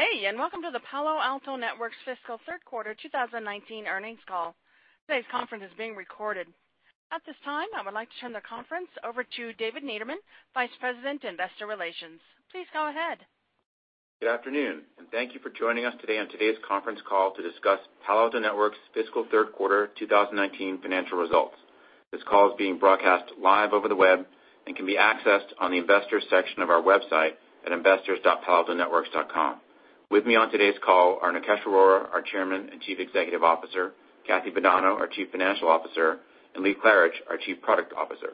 Good day, welcome to the Palo Alto Networks fiscal third quarter 2019 earnings call. Today's conference is being recorded. At this time, I would like to turn the conference over to David Niederman, Vice President, Investor Relations. Please go ahead. Good afternoon, thank you for joining us today on today's conference call to discuss Palo Alto Networks' fiscal third quarter 2019 financial results. This call is being broadcast live over the web and can be accessed on the investors section of our website at investors.paloaltonetworks.com. With me on today's call are Nikesh Arora, our Chairman and Chief Executive Officer, Kathy Bonanno, our Chief Financial Officer, and Lee Klarich, our Chief Product Officer.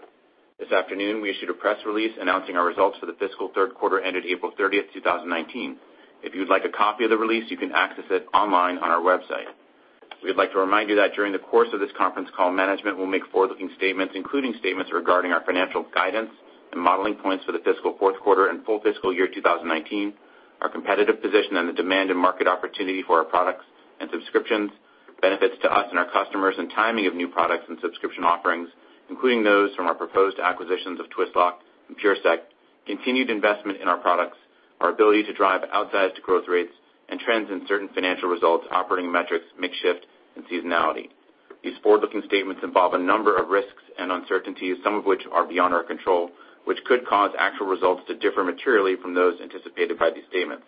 This afternoon, we issued a press release announcing our results for the fiscal third quarter ended April 30th, 2019. If you'd like a copy of the release, you can access it online on our website. We'd like to remind you that during the course of this conference call, management will make forward-looking statements, including statements regarding our financial guidance and modeling points for the fiscal fourth quarter and full fiscal year 2019, our competitive position on the demand and market opportunity for our products and subscriptions, benefits to us and our customers and timing of new products and subscription offerings, including those from our proposed acquisitions of Twistlock and PureSec, continued investment in our products, our ability to drive outsized growth rates, and trends in certain financial results, operating metrics, mix shift, and seasonality. These forward-looking statements involve a number of risks and uncertainties, some of which are beyond our control, which could cause actual results to differ materially from those anticipated by these statements.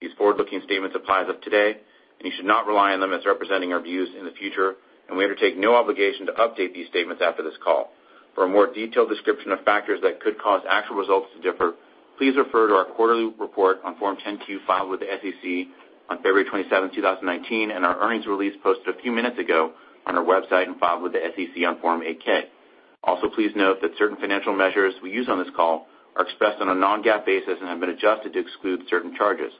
These forward-looking statements apply as of today, you should not rely on them as representing our views in the future, we undertake no obligation to update these statements after this call. For a more detailed description of factors that could cause actual results to differ, please refer to our quarterly report on Form 10-Q filed with the SEC on February 27, 2019, and our earnings release posted a few minutes ago on our website and filed with the SEC on Form 8-K. Please note that certain financial measures we use on this call are expressed on a non-GAAP basis and have been adjusted to exclude certain charges.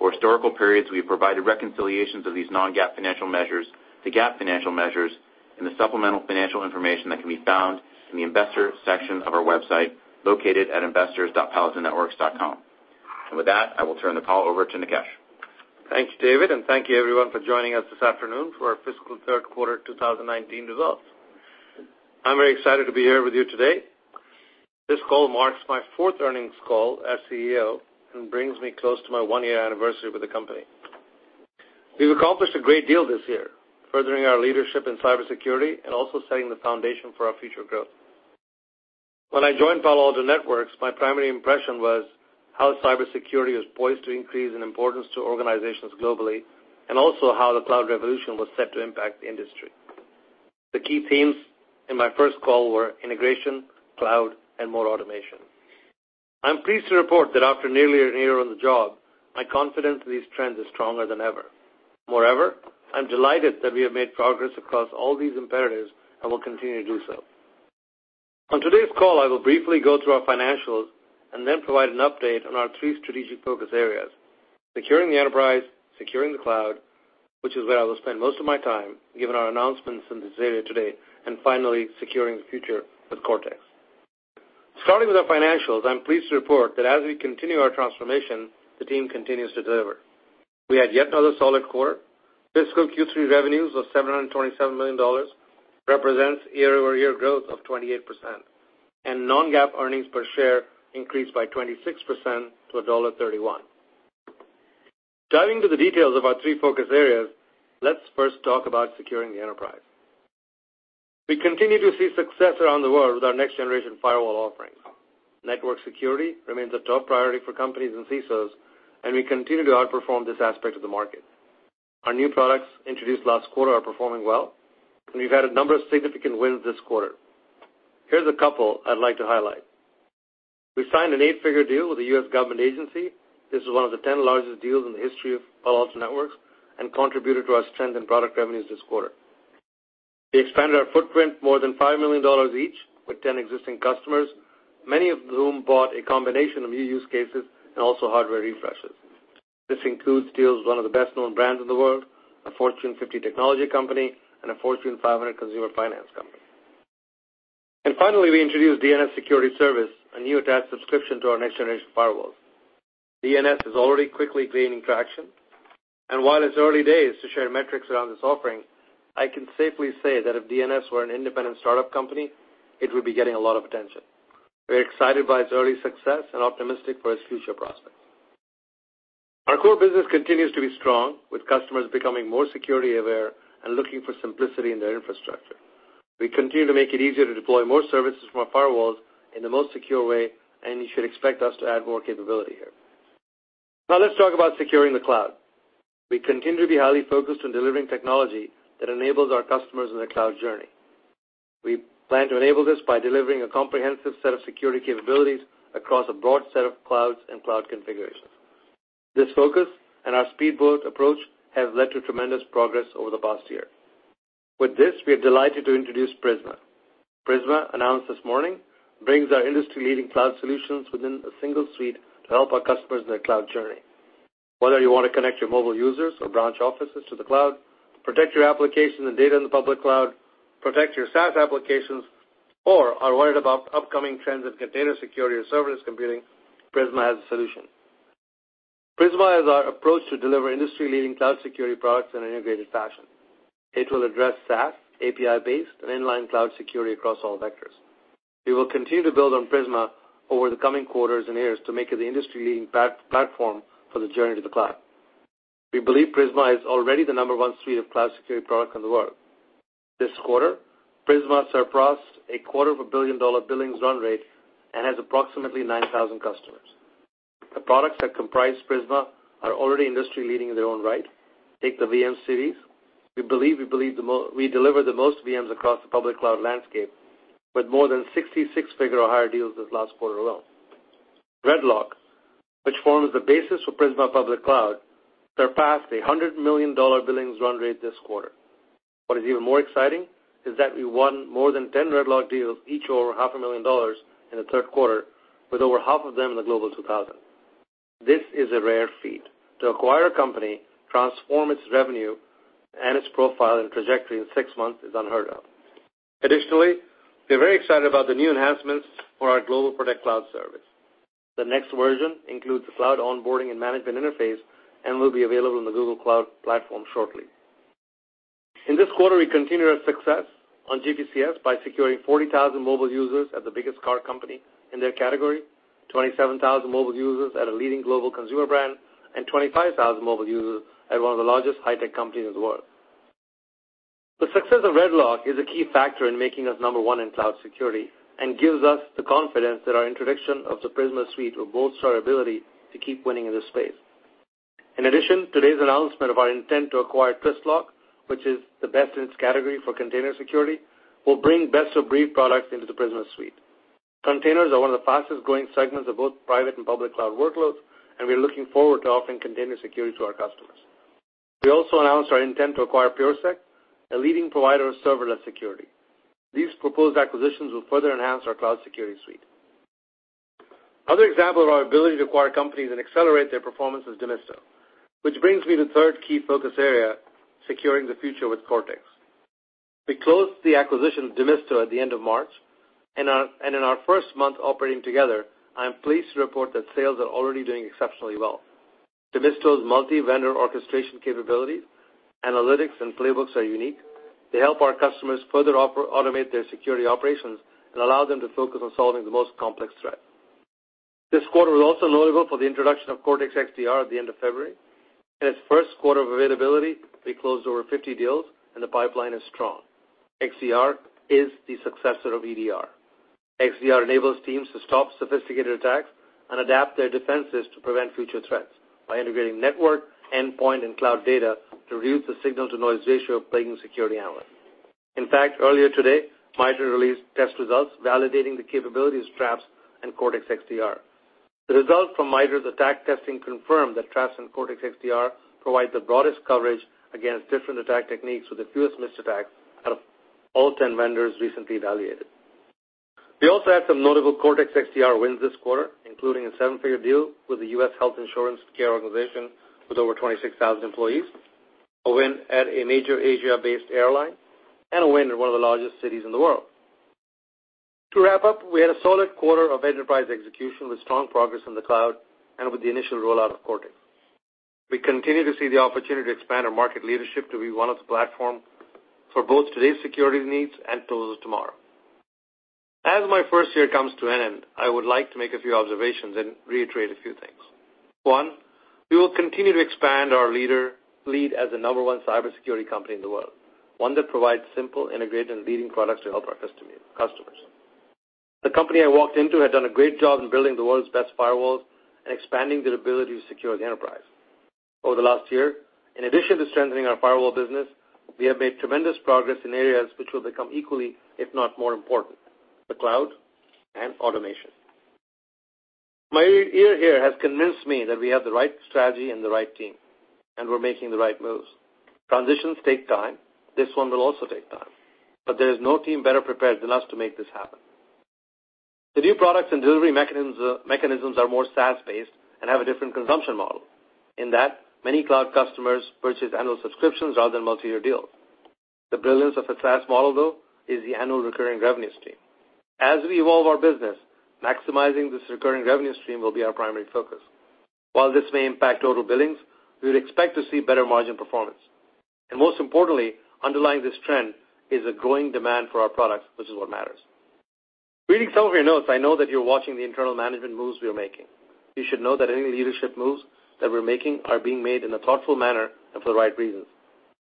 For historical periods, we have provided reconciliations of these non-GAAP financial measures to GAAP financial measures in the supplemental financial information that can be found in the investor section of our website, located at investors.paloaltonetworks.com. With that, I will turn the call over to Nikesh. Thank you, David, thank you everyone for joining us this afternoon for our fiscal third quarter 2019 results. I'm very excited to be here with you today. This call marks my fourth earnings call as CEO and brings me close to my one-year anniversary with the company. We've accomplished a great deal this year, furthering our leadership in cybersecurity and also setting the foundation for our future growth. When I joined Palo Alto Networks, my primary impression was how cybersecurity is poised to increase in importance to organizations globally, also how the cloud revolution was set to impact the industry. The key themes in my first call were integration, cloud, and more automation. I'm pleased to report that after nearly a year on the job, my confidence in these trends is stronger than ever. I'm delighted that we have made progress across all these imperatives and will continue to do so. On today's call, I will briefly go through our financials then provide an update on our three strategic focus areas: securing the enterprise, securing the cloud, which is where I will spend most of my time, given our announcements in this area today, and finally, securing the future with Cortex. Starting with our financials, I'm pleased to report that as we continue our transformation, the team continues to deliver. We had yet another solid quarter. Fiscal Q3 revenues of $727 million represents year-over-year growth of 28%, and non-GAAP earnings per share increased by 26% to $1.31. Diving to the details of our three focus areas, let's first talk about securing the enterprise. We continue to see success around the world with our next-generation firewall offerings. Network security remains a top priority for companies and CISOs, we continue to outperform this aspect of the market. Our new products introduced last quarter are performing well, we've had a number of significant wins this quarter. Here's a couple I'd like to highlight. We signed an eight-figure deal with a U.S. government agency. This is one of the 10 largest deals in the history of Palo Alto Networks and contributed to our strength in product revenues this quarter. We expanded our footprint more than $5 million each with 10 existing customers, many of whom bought a combination of new use cases and also hardware refreshes. This includes deals with one of the best-known brands in the world, a Fortune 50 technology company, and a Fortune 500 consumer finance company. Finally, we introduced DNS Security Service, a new attached subscription to our next-generation firewalls. DNS is already quickly gaining traction. While it's early days to share metrics around this offering, I can safely say that if DNS were an independent startup company, it would be getting a lot of attention. We're excited by its early success and optimistic for its future prospects. Our core business continues to be strong, with customers becoming more security-aware and looking for simplicity in their infrastructure. We continue to make it easier to deploy more services from our firewalls in the most secure way, and you should expect us to add more capability here. Now let's talk about securing the cloud. We continue to be highly focused on delivering technology that enables our customers in their cloud journey. We plan to enable this by delivering a comprehensive set of security capabilities across a broad set of clouds and cloud configurations. This focus and our speedboat approach have led to tremendous progress over the past year. With this, we are delighted to introduce Prisma. Prisma, announced this morning, brings our industry-leading cloud solutions within a single suite to help our customers in their cloud journey. Whether you want to connect your mobile users or branch offices to the cloud, protect your application and data in the public cloud, protect your SaaS applications, or are worried about upcoming trends in container security or service computing, Prisma has a solution. Prisma is our approach to deliver industry-leading cloud security products in an integrated fashion. It will address SaaS, API-based, and inline cloud security across all vectors. We will continue to build on Prisma over the coming quarters and years to make it the industry-leading platform for the journey to the cloud. We believe Prisma is already the number one suite of cloud security products in the world. This quarter, Prisma surpassed a quarter of a billion-dollar billings run rate and has approximately 9,000 customers. The products that comprise Prisma are already industry-leading in their own right. Take the VM-Series. We believe we deliver the most VMs across the public cloud landscape, with more than 66-figure or higher deals this last quarter alone. RedLock, which forms the basis for Prisma Public Cloud, surpassed a $100 million billings run rate this quarter. What is even more exciting is that we won more than 10 RedLock deals, each over half a million dollars in the third quarter, with over half of them in the Global 2000. This is a rare feat. To acquire a company, transform its revenue and its profile and trajectory in six months is unheard of. Additionally, we are very excited about the new enhancements for our GlobalProtect cloud service. The next version includes the cloud onboarding and management interface and will be available on the Google Cloud shortly. In this quarter, we continued our success on GPCS by securing 40,000 mobile users at the biggest car company in their category, 27,000 mobile users at a leading global consumer brand, and 25,000 mobile users at one of the largest high-tech companies in the world. The success of RedLock is a key factor in making us number one in cloud security and gives us the confidence that our introduction of the Prisma Suite will bolster our ability to keep winning in this space. In addition, today's announcement of our intent to acquire Twistlock, which is the best in its category for container security, will bring best-of-breed products into the Prisma Suite. Containers are one of the fastest-growing segments of both private and public cloud workloads, we are looking forward to offering container security to our customers. We also announced our intent to acquire PureSec, a leading provider of serverless security. These proposed acquisitions will further enhance our cloud security suite. Other examples of our ability to acquire companies and accelerate their performance is Demisto, which brings me to the third key focus area, securing the future with Cortex. We closed the acquisition of Demisto at the end of March, and in our first month operating together, I am pleased to report that sales are already doing exceptionally well. Demisto's multi-vendor orchestration capabilities, analytics, and playbooks are unique. They help our customers further automate their security operations and allow them to focus on solving the most complex threats. This quarter was also notable for the introduction of Cortex XDR at the end of February. In its first quarter of availability, we closed over 50 deals and the pipeline is strong. XDR is the successor of EDR. XDR enables teams to stop sophisticated attacks and adapt their defenses to prevent future threats by integrating network, endpoint, and cloud data to reduce the signal-to-noise ratio of plaguing security analysts. In fact, earlier today, MITRE released test results validating the capabilities of Traps and Cortex XDR. The results from MITRE's attack testing confirmed that Traps and Cortex XDR provide the broadest coverage against different attack techniques with the fewest missed attacks out of all 10 vendors recently evaluated. We also had some notable Cortex XDR wins this quarter, including a seven-figure deal with a U.S. health insurance care organization with over 26,000 employees, a win at a major Asia-based airline, and a win in one of the largest cities in the world. To wrap up, we had a solid quarter of enterprise execution with strong progress in the cloud and with the initial rollout of Cortex. We continue to see the opportunity to expand our market leadership to be one of the platform for both today's security needs and those of tomorrow. As my first year comes to an end, I would like to make a few observations and reiterate a few things. One, we will continue to expand our lead as the number one cybersecurity company in the world, one that provides simple, integrated, and leading products to help our customers. The company I walked into had done a great job in building the world's best firewalls and expanding their ability to secure the enterprise. Over the last year, in addition to strengthening our firewall business, we have made tremendous progress in areas which will become equally, if not more important, the cloud and automation. My year here has convinced me that we have the right strategy and the right team, we're making the right moves. Transitions take time. This one will also take time, there is no team better prepared than us to make this happen. The new products and delivery mechanisms are more SaaS-based and have a different consumption model, in that many cloud customers purchase annual subscriptions rather than multi-year deals. The brilliance of a SaaS model, though, is the annual recurring revenue stream. As we evolve our business, maximizing this recurring revenue stream will be our primary focus. While this may impact total billings, we would expect to see better margin performance. Most importantly, underlying this trend is a growing demand for our products, which is what matters. Reading some of your notes, I know that you're watching the internal management moves we are making. You should know that any leadership moves that we're making are being made in a thoughtful manner and for the right reasons.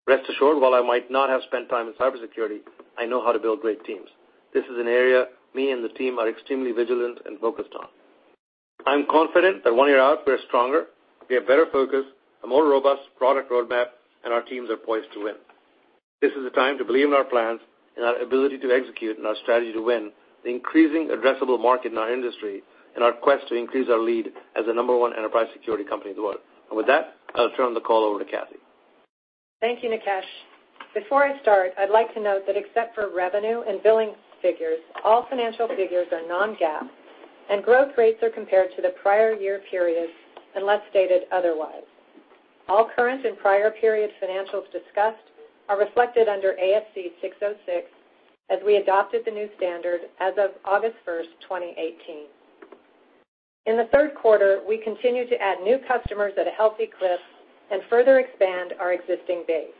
Rest assured, while I might not have spent time in cybersecurity, I know how to build great teams. This is an area me and the team are extremely vigilant and focused on. I'm confident that one year out, we are stronger, we have better focus, a more robust product roadmap, and our teams are poised to win. This is a time to believe in our plans and our ability to execute and our strategy to win the increasing addressable market in our industry and our quest to increase our lead as the number one enterprise security company in the world. With that, I'll turn the call over to Kathy. Thank you, Nikesh. Before I start, I'd like to note that except for revenue and billings figures, all financial figures are non-GAAP, and growth rates are compared to the prior year periods unless stated otherwise. All current and prior period financials discussed are reflected under ASC 606, as we adopted the new standard as of August 1st, 2018. In the third quarter, we continued to add new customers at a healthy clip and further expand our existing base.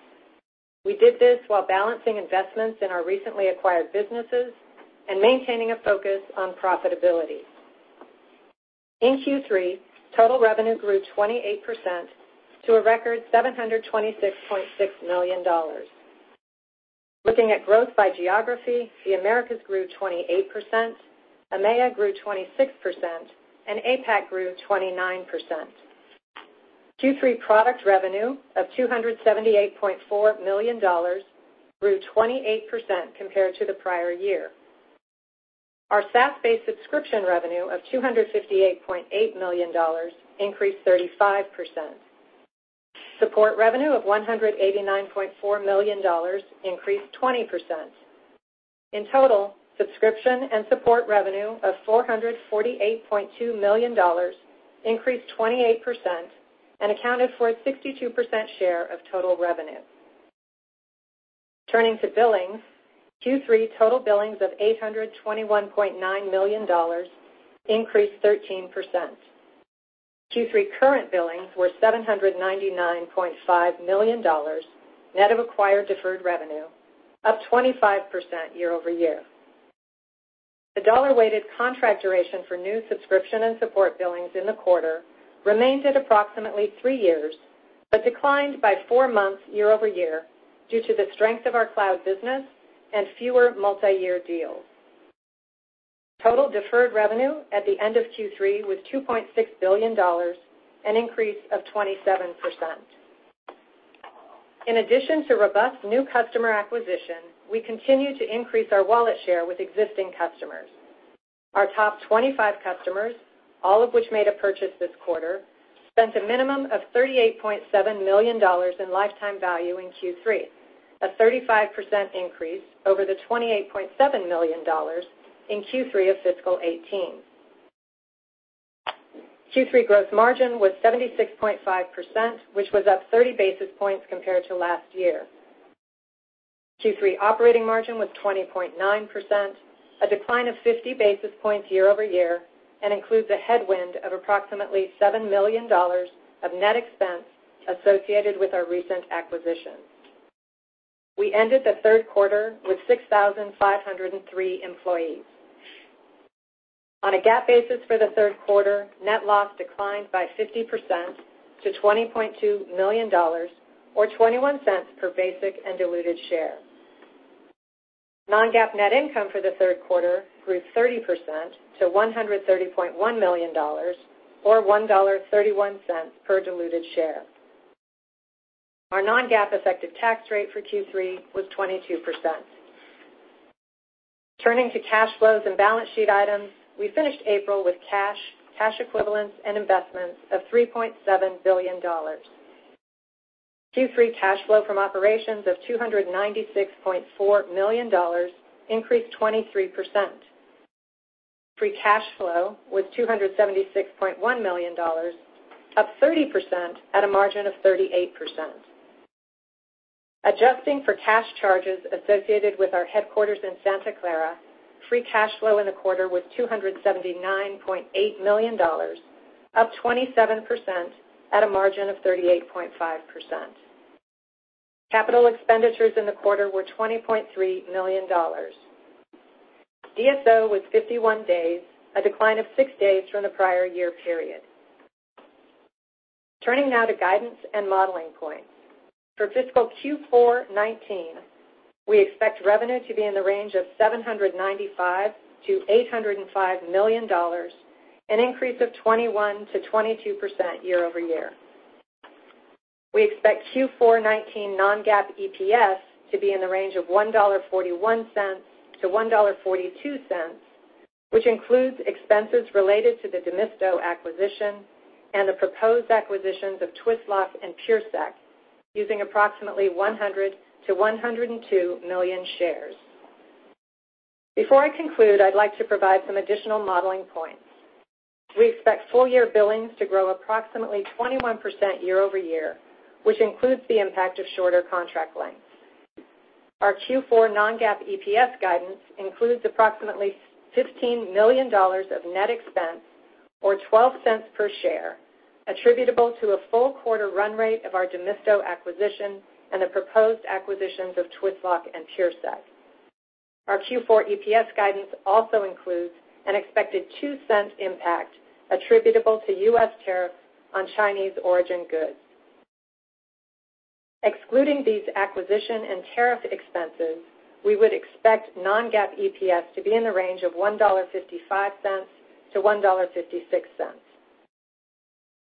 We did this while balancing investments in our recently acquired businesses and maintaining a focus on profitability. In Q3, total revenue grew 28% to a record $726.6 million. Looking at growth by geography, the Americas grew 28%, EMEA grew 26%, and APAC grew 29%. Q3 product revenue of $278.4 million grew 28% compared to the prior year. Our SaaS-based subscription revenue of $258.8 million increased 35%. Support revenue of $189.4 million increased 20%. In total, subscription and support revenue of $448.2 million increased 28% and accounted for a 62% share of total revenue. Turning to billings, Q3 total billings of $821.9 million increased 13%. Q3 current billings were $799.5 million, net of acquired deferred revenue, up 25% year-over-year. The dollar-weighted contract duration for new subscription and support billings in the quarter remained at approximately three years, but declined by four months year-over-year due to the strength of our cloud business and fewer multi-year deals. Total deferred revenue at the end of Q3 was $2.6 billion, an increase of 27%. In addition to robust new customer acquisition, we continue to increase our wallet share with existing customers. Our top 25 customers, all of which made a purchase this quarter, spent a minimum of $38.7 million in lifetime value in Q3, a 35% increase over the $28.7 million in Q3 of fiscal 2018. Q3 gross margin was 76.5%, which was up 30 basis points compared to last year. Q3 operating margin was 20.9%, a decline of 50 basis points year-over-year and includes a headwind of approximately $7 million of net expense associated with our recent acquisitions. We ended the third quarter with 6,503 employees. On a GAAP basis for the third quarter, net loss declined by 50% to $20.2 million or $0.21 per basic and diluted share. Non-GAAP net income for the third quarter grew 30% to $130.1 million or $1.31 per diluted share. Our non-GAAP effective tax rate for Q3 was 22%. Turning to cash flows and balance sheet items, we finished April with cash equivalents and investments of $3.7 billion. Q3 cash flow from operations of $296.4 million increased 23%. Free cash flow was $276.1 million, up 30% at a margin of 38%. Adjusting for cash charges associated with our headquarters in Santa Clara, free cash flow in the quarter was $279.8 million, up 27% at a margin of 38.5%. Capital expenditures in the quarter were $20.3 million. DSO was 51 days, a decline of six days from the prior year period. Turning now to guidance and modeling points. For fiscal Q4 2019, we expect revenue to be in the range of $795 million-$805 million, an increase of 21%-22% year-over-year. We expect Q4 2019 non-GAAP EPS to be in the range of $1.41-$1.42, which includes expenses related to the Demisto acquisition and the proposed acquisitions of Twistlock and PureSec, using approximately 100 million-102 million shares. Before I conclude, I'd like to provide some additional modeling points. We expect full year billings to grow approximately 21% year-over-year, which includes the impact of shorter contract lengths. Our Q4 non-GAAP EPS guidance includes approximately $15 million of net expense, or $0.12 per share, attributable to a full quarter run rate of our Demisto acquisition and the proposed acquisitions of Twistlock and PureSec. Our Q4 EPS guidance also includes an expected $0.02 impact attributable to U.S. tariffs on Chinese origin goods. Excluding these acquisition and tariff expenses, we would expect non-GAAP EPS to be in the range of $1.55-$1.56.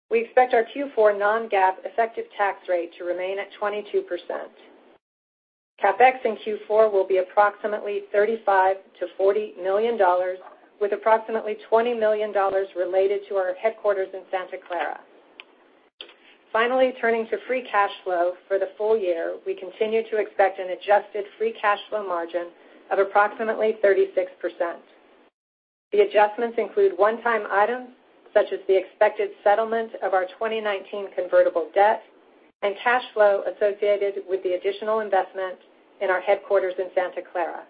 We expect our Q4 non-GAAP effective tax rate to remain at 22%. CapEx in Q4 will be approximately $35 million-$40 million, with approximately $20 million related to our headquarters in Santa Clara. Finally, turning to free cash flow for the full year, we continue to expect an adjusted free cash flow margin of approximately 36%. The adjustments include one-time items such as the expected settlement of our 2019 convertible debt and cash flow associated with the additional investment in our headquarters in Santa Clara.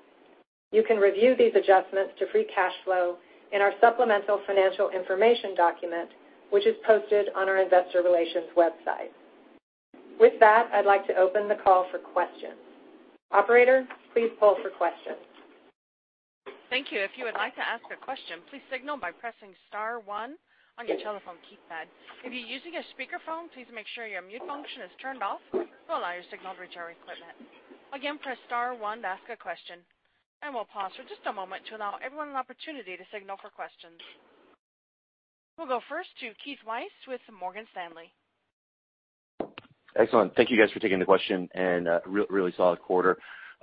You can review these adjustments to free cash flow in our supplemental financial information document, which is posted on our investor relations website. With that, I'd like to open the call for questions. Operator, please poll for questions. Thank you. If you would like to ask a question, please signal by pressing star one on your telephone keypad. If you're using a speakerphone, please make sure your mute function is turned off to allow your signal to reach our equipment. Again, press star one to ask a question, and we'll pause for just a moment to allow everyone an opportunity to signal for questions. We'll go first to Keith Weiss with Morgan Stanley. Excellent. Thank you guys for taking the question. A really solid quarter.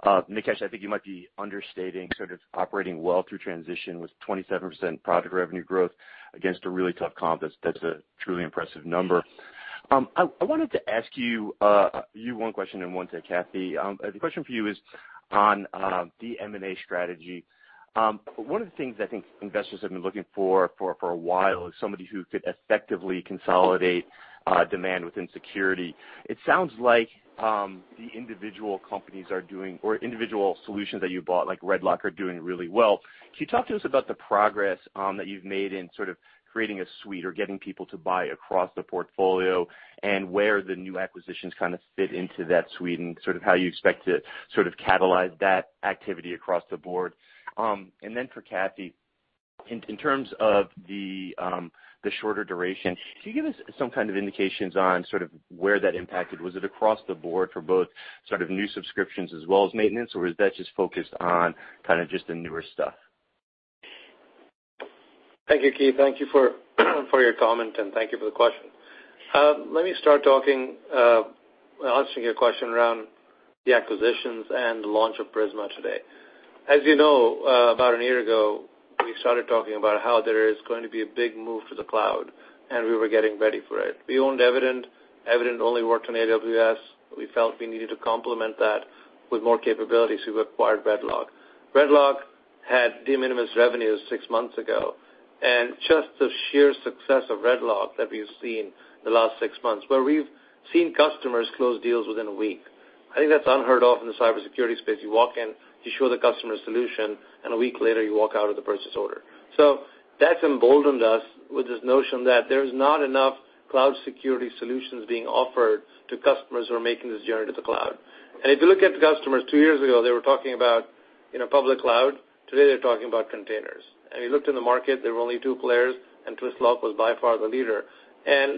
Nikesh, I think you might be understating sort of operating well through transition with 27% product revenue growth against a really tough comp. That's a truly impressive number. I wanted to ask you one question and one to Kathy. The question for you is on the M&A strategy. One of the things I think investors have been looking for a while is somebody who could effectively consolidate demand within security. It sounds like the individual companies are doing, or individual solutions that you bought, like RedLock, are doing really well. Can you talk to us about the progress that you've made in sort of creating a suite or getting people to buy across the portfolio, and where the new acquisitions kind of fit into that suite, and sort of how you expect to sort of catalyze that activity across the board? Then for Kathy, in terms of the shorter duration, can you give us some kind of indications on sort of where that impacted? Was it across the board for both sort of new subscriptions as well as maintenance, or is that just focused on kind of just the newer stuff? Thank you, Keith. Thank you for your comment, and thank you for the question. Let me start talking, answering your question around the acquisitions and the launch of Prisma today. As you know, about a year ago, we started talking about how there is going to be a big move to the cloud, and we were getting ready for it. We owned Evident. Evident only worked on AWS. We felt we needed to complement that with more capabilities, so we acquired RedLock. RedLock had de minimis revenues six months ago, and just the sheer success of RedLock that we've seen in the last six months, where we've seen customers close deals within a week. I think that's unheard of in the cybersecurity space. You walk in, you show the customer a solution, and a week later, you walk out with a purchase order. That's emboldened us with this notion that there's not enough cloud security solutions being offered to customers who are making this journey to the cloud. If you look at the customers two years ago, they were talking about public cloud. Today, they're talking about containers. We looked in the market, there were only two players, and Twistlock was by far the leader.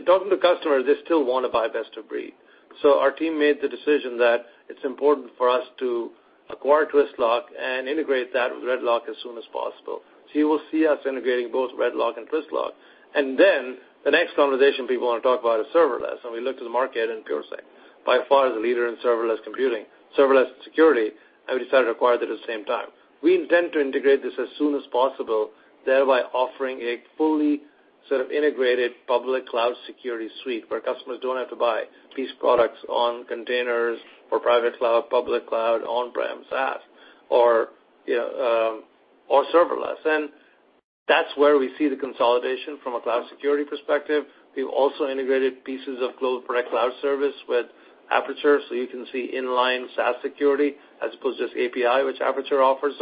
Talking to customers, they still want to buy best of breed. Our team made the decision that it's important for us to acquire Twistlock and integrate that with RedLock as soon as possible. You will see us integrating both RedLock and Twistlock. The next conversation people want to talk about is serverless. We looked to the market, and PureSec, by far, is the leader in serverless computing, serverless security. We decided to acquire that at the same time. We intend to integrate this as soon as possible, thereby offering a fully sort of integrated public cloud security suite where customers don't have to buy these products on containers for private cloud, public cloud, on-prem, SaaS, or serverless. That's where we see the consolidation from a cloud security perspective. We've also integrated pieces of GlobalProtect cloud service with Aperture, so you can see inline SaaS security as opposed to just API, which Aperture offers.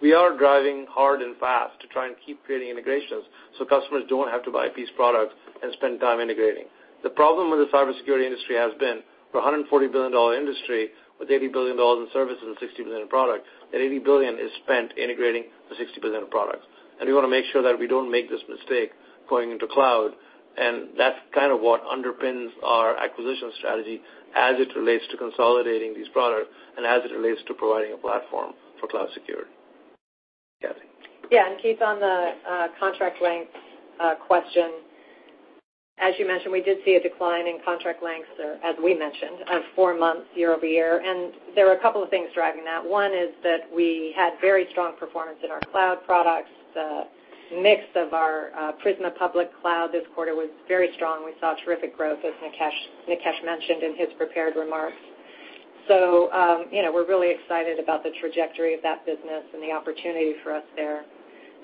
We are driving hard and fast to try and keep creating integrations so customers don't have to buy a piece product and spend time integrating. The problem with the cybersecurity industry has been for a $140 billion industry with $80 billion in services and $60 billion in product, that $80 billion is spent integrating the $60 billion in products. We want to make sure that we don't make this mistake going into cloud, and that's kind of what underpins our acquisition strategy as it relates to consolidating these products and as it relates to providing a platform for cloud security. Kathy. Yeah, Keith, on the contract length question, as you mentioned, we did see a decline in contract lengths, or as we mentioned, of four months year-over-year. There are a couple of things driving that. One is that we had very strong performance in our cloud products. The mix of our Prisma Public Cloud this quarter was very strong. We saw terrific growth, as Nikesh mentioned in his prepared remarks. We're really excited about the trajectory of that business and the opportunity for us there.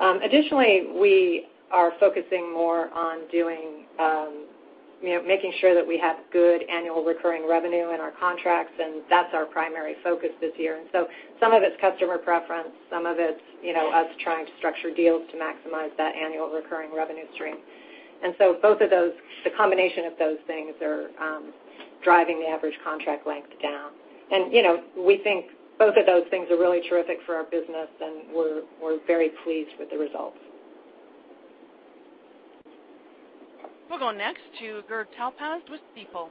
Additionally, we are focusing more on making sure that we have good annual recurring revenue in our contracts. That's our primary focus this year. Some of it's customer preference, some of it's us trying to structure deals to maximize that annual recurring revenue stream. Both of those, the combination of those things, are driving the average contract length down. We think both of those things are really terrific for our business, and we're very pleased with the results. We'll go next to Gur Talpaz with Stifel.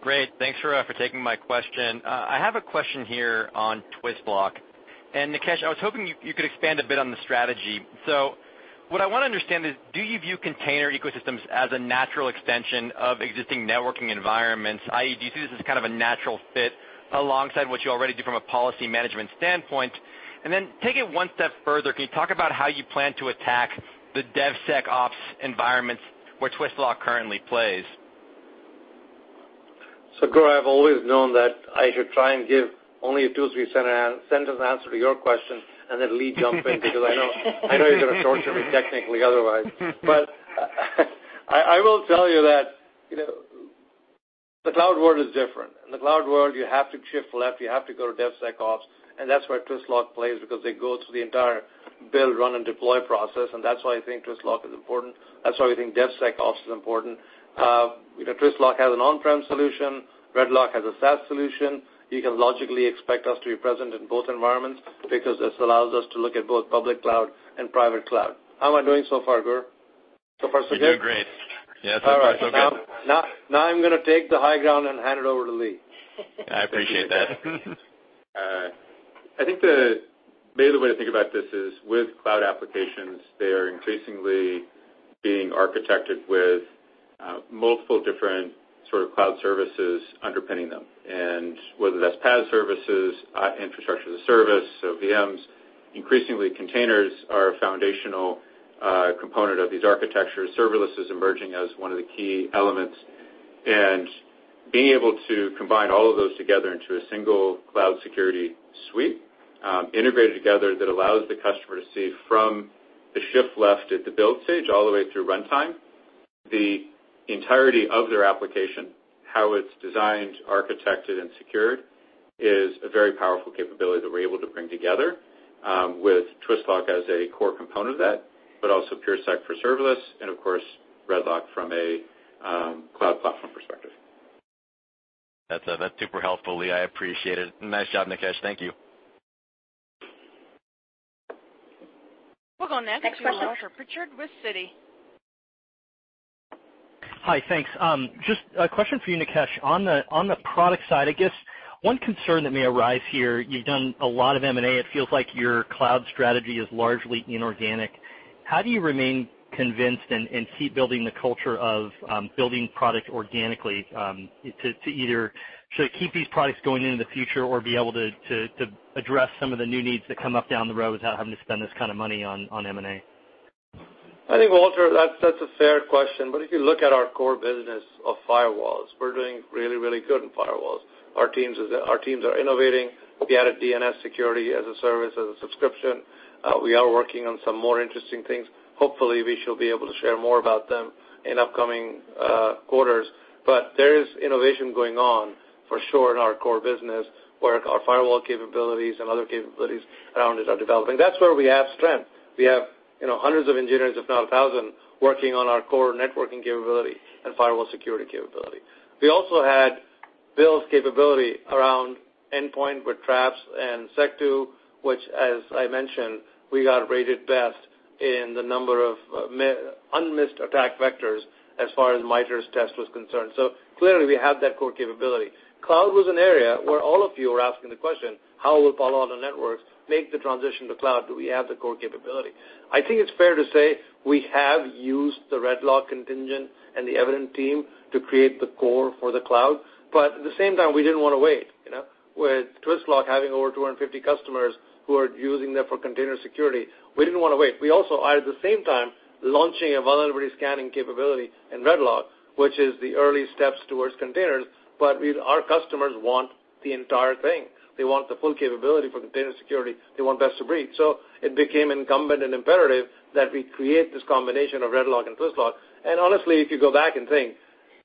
Great. Thanks for taking my question. I have a question here on Twistlock. Nikesh, I was hoping you could expand a bit on the strategy. What I want to understand is, do you view container ecosystems as a natural extension of existing networking environments, i.e., do you see this as kind of a natural fit alongside what you already do from a policy management standpoint? Take it one step further. Can you talk about how you plan to attack the DevSecOps environments where Twistlock currently plays? Gur, I've always known that I should try and give only a two, three-sentence answer to your question, and then Lee jump in, because I know you're going to torture me technically otherwise. I will tell you that the cloud world is different. In the cloud world, you have to shift left, you have to go to DevSecOps, and that's where Twistlock plays because they go through the entire build, run, and deploy process, and that's why I think Twistlock is important. That's why we think DevSecOps is important. Twistlock has an on-prem solution. RedLock has a SaaS solution. You can logically expect us to be present in both environments because this allows us to look at both public cloud and private cloud. How am I doing so far, Gur? So far so good? You're doing great. Yeah, so far so good. All right. Now I'm going to take the high ground and hand it over to Lee. I appreciate that. I think the main way to think about this is with cloud applications, they are increasingly being architected with multiple different cloud services underpinning them, and whether that's PaaS services, infrastructure as a service, so VMs, increasingly, containers are a foundational component of these architectures. Serverless is emerging as one of the key elements, and being able to combine all of those together into a single cloud security suite, integrated together that allows the customer to see from the shift left at the build stage all the way through runtime, the entirety of their application, how it's designed, architected, and secured, is a very powerful capability that we're able to bring together, with Twistlock as a core component of that, but also PureSec for serverless and, of course, RedLock from a cloud platform perspective. That's super helpful, Lee. I appreciate it. Nice job, Nikesh. Thank you. We'll go next to Walter Pritchard with Citi. Hi, thanks. Just a question for you, Nikesh. On the product side, I guess one concern that may arise here, you've done a lot of M&A. It feels like your cloud strategy is largely inorganic. How do you remain convinced and keep building the culture of building product organically, to either keep these products going into the future or be able to address some of the new needs that come up down the road without having to spend this kind of money on M&A? I think, Walter, that's a fair question. If you look at our core business of firewalls, we're doing really good in firewalls. Our teams are innovating. We added DNS Security as a service, as a subscription. We are working on some more interesting things. Hopefully, we shall be able to share more about them in upcoming quarters. There is innovation going on for sure in our core business, where our firewall capabilities and other capabilities around it are developing. That's where we have strength. We have hundreds of engineers, if not 1,000, working on our core networking capability and firewall security capability. We also had Bill's capability around endpoint with Traps and Secdo, which as I mentioned, we got rated best in the number of unmissed attack vectors as far as MITRE's test was concerned. Clearly, we have that core capability. Cloud was an area where all of you were asking the question, how will Palo Alto Networks make the transition to cloud? Do we have the core capability? I think it's fair to say we have used the RedLock contingent and the Evident.io team to create the core for the cloud. But at the same time, we didn't want to wait. With Twistlock having over 250 customers who are using them for container security, we didn't want to wait. We also, at the same time, launching a vulnerability scanning capability in RedLock, which is the early steps towards containers, but our customers want the entire thing. They want the full capability for container security. They want best of breed. So it became incumbent and imperative that we create this combination of RedLock and Twistlock. Honestly, if you go back and think,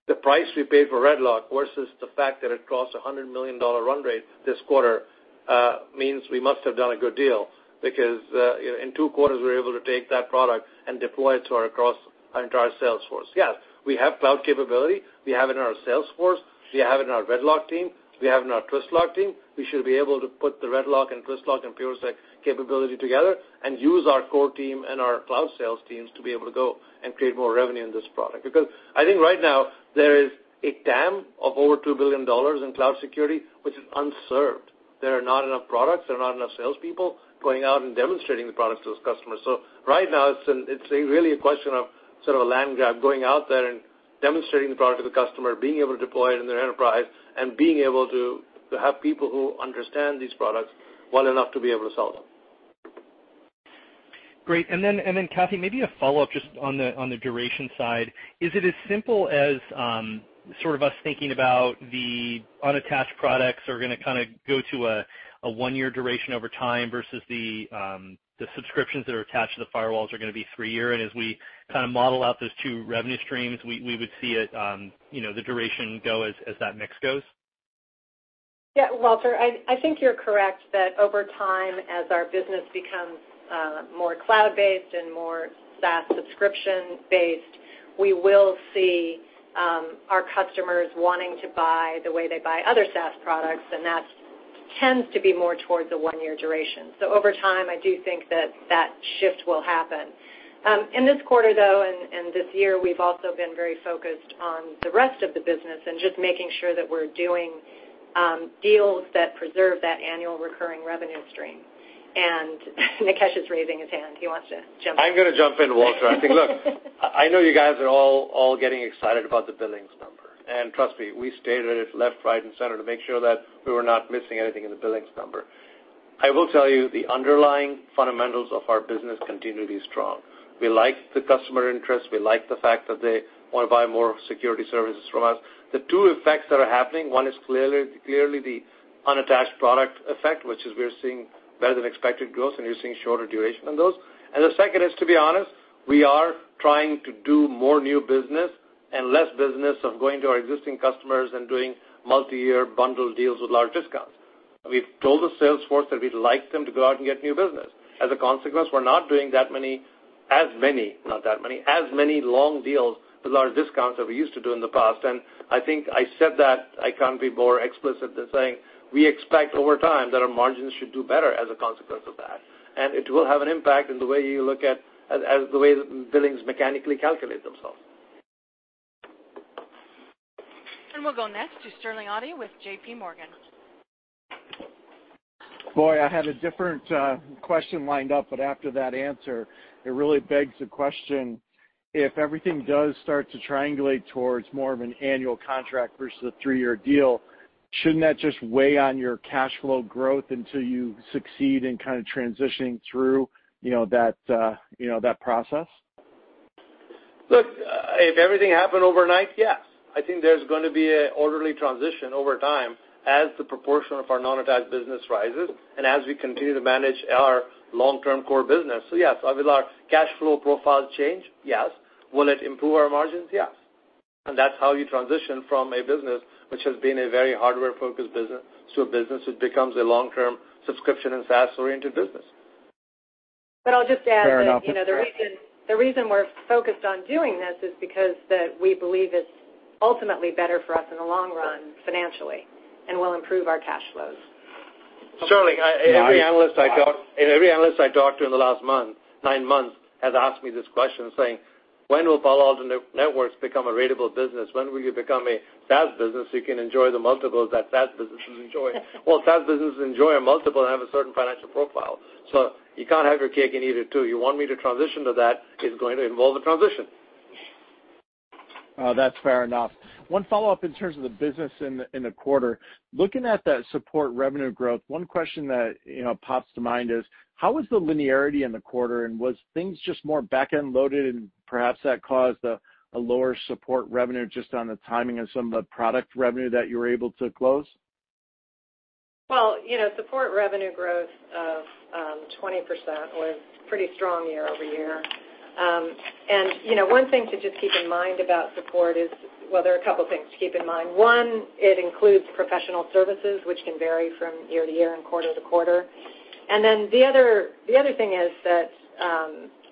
the price we paid for RedLock versus the fact that it costs $100 million run rate this quarter, means we must have done a good deal because, in two quarters, we were able to take that product and deploy it across our entire sales force. Yes, we have cloud capability. We have it in our sales force, we have it in our RedLock team, we have it in our Twistlock team. We should be able to put the RedLock and Twistlock and PureSec capability together and use our core team and our cloud sales teams to be able to go and create more revenue in this product. Because I think right now there is a dam of over $2 billion in cloud security, which is unserved. There are not enough products, there are not enough salespeople going out and demonstrating the products to those customers. So right now, it's really a question of sort of a land grab, going out there and demonstrating the product to the customer, being able to deploy it in their enterprise, and being able to have people who understand these products well enough to be able to sell them. Great. Then, Kathy, maybe a follow-up just on the duration side. Is it as simple as us thinking about the unattached products are going to go to a one-year duration over time versus the subscriptions that are attached to the firewalls are going to be three-year, and as we model out those two revenue streams, we would see the duration go as that mix goes? Walter, I think you're correct that over time, as our business becomes more cloud-based and more SaaS subscription-based, we will see our customers wanting to buy the way they buy other SaaS products, and that tends to be more towards a one-year duration. Over time, I do think that shift will happen. In this quarter, though, and this year, we've also been very focused on the rest of the business and just making sure that we're doing deals that preserve that annual recurring revenue stream. Nikesh is raising his hand. He wants to jump in. I'm going to jump in, Walter. I think, look, I know you guys are all getting excited about the billings number. Trust me, we stated it left, right, and center to make sure that we were not missing anything in the billings number. I will tell you the underlying fundamentals of our business continue to be strong. We like the customer interest. We like the fact that they want to buy more security services from us. The two effects that are happening, one is clearly the unattached product effect, which is we're seeing better than expected growth, and we're seeing shorter duration on those. The second is, to be honest, we are trying to do more new business and less business of going to our existing customers and doing multi-year bundle deals with large discounts. We've told the sales force that we'd like them to go out and get new business. As a consequence, we are not doing as many long deals with large discounts that we used to do in the past. I think I said that I cannot be more explicit than saying, we expect over time that our margins should do better as a consequence of that. It will have an impact in the way billings mechanically calculate themselves. We will go next to Sterling Auty with J.P. Morgan. Boy, I had a different question lined up, but after that answer, it really begs the question, if everything does start to triangulate towards more of an annual contract versus a three-year deal, shouldn't that just weigh on your cash flow growth until you succeed in kind of transitioning through that process? Look, if everything happened overnight, yes. I think there's going to be an orderly transition over time as the proportion of our non-attached business rises and as we continue to manage our long-term core business. Yes, will our cash flow profiles change? Yes. Will it improve our margins? Yes. That's how you transition from a business which has been a very hardware-focused business to a business which becomes a long-term subscription and SaaS-oriented business. I'll just add that. Fair enough. The reason we're focused on doing this is because we believe it's ultimately better for us in the long run financially and will improve our cash flows. Sterling, every analyst I talked to in the last nine months has asked me this question saying, "When will Palo Alto Networks become a ratable business? When will you become a SaaS business so you can enjoy the multiples that SaaS businesses enjoy?" Well, SaaS businesses enjoy a multiple and have a certain financial profile. You can't have your cake and eat it too. You want me to transition to that, it's going to involve a transition. That's fair enough. One follow-up in terms of the business in the quarter. Looking at that support revenue growth, one question that pops to mind is, how was the linearity in the quarter, and was things just more back-end loaded and perhaps that caused a lower support revenue just on the timing of some of the product revenue that you were able to close? Well, support revenue growth of 20% was pretty strong year-over-year. One thing to just keep in mind about support. Well, there are a couple things to keep in mind. One, it includes professional services, which can vary from year to year and quarter to quarter. The other thing is that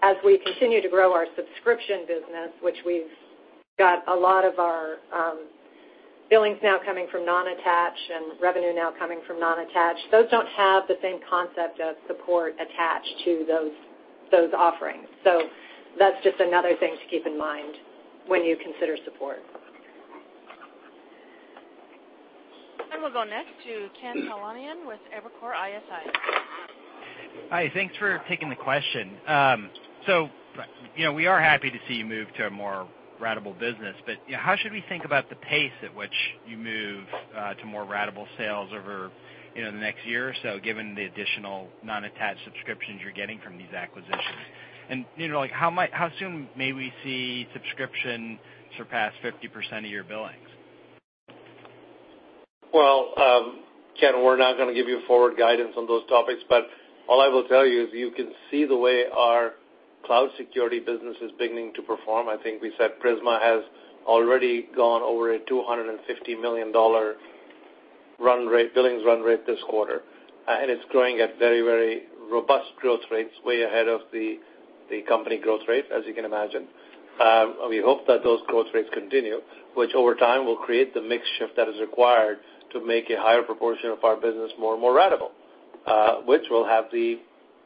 as we continue to grow our subscription business, which we've got a lot of our billings now coming from non-attached and revenue now coming from non-attached, those don't have the same concept of support attached to those offerings. That's just another thing to keep in mind when you consider support. We'll go next to Ken Talanian with Evercore ISI. Hi. Thanks for taking the question. We are happy to see you move to a more ratable business. How should we think about the pace at which you move to more ratable sales over the next year or so, given the additional non-attached subscriptions you're getting from these acquisitions? How soon may we see subscription surpass 50% of your billings? Well, Ken, we're not going to give you forward guidance on those topics, all I will tell you is you can see the way our cloud security business is beginning to perform. I think we said Prisma has already gone over a $250 million billings run rate this quarter. It's growing at very robust growth rates, way ahead of the company growth rate, as you can imagine. We hope that those growth rates continue, which over time will create the mix shift that is required to make a higher proportion of our business more and more ratable, which will have the